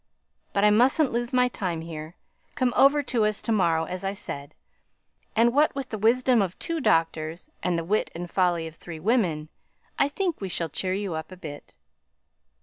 But I mustn't lose my time here. Come over to us to morrow, as I said; and what with the wisdom of two doctors, and the wit and folly of three women, I think we shall cheer you up a bit."